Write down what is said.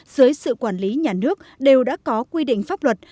dưới sự quản lý nhà nước đều đã có quy định pháp luật